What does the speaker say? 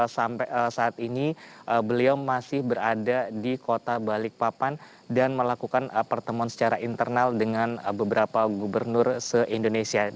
sampai saat ini beliau masih berada di kota balikpapan dan melakukan pertemuan secara internal dengan beberapa gubernur se indonesia